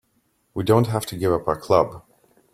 We don't have to give up our club.